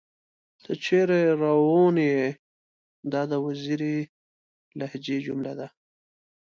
تۀ چېرې راوون ئې ؟ دا د وزيري لهجې جمله ده